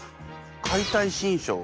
「解体新書」を。